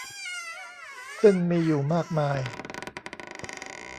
ซึ่งมีอยู่มากมาย